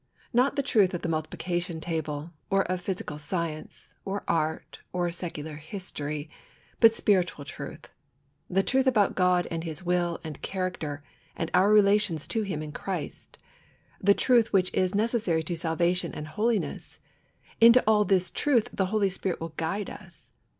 Not the truth of the multiplication table, or of physical science, or art, or secular history, but spiritual truth the truth about God and His will and character, and our relations to Him in Christ that truth which is necessary to salvation and holiness into all this truth the Holy Spirit will guide us.